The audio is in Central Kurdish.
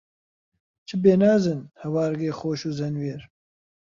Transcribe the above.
چ بێ نازن، هەوارگەی خۆش و زەنوێر